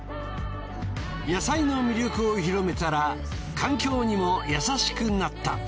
野菜の魅力を広めたら環境にも優しくなった。